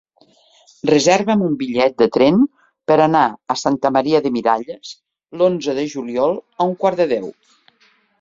Reserva'm un bitllet de tren per anar a Santa Maria de Miralles l'onze de juliol a un quart de deu.